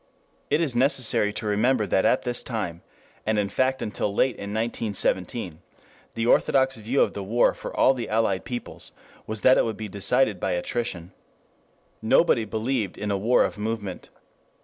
It is necessary to remember that at this time, and in fact until late in 1917, the orthodox view of the war for all the Allied peoples was that it would be decided by "attrition." Nobody believed in a war of movement.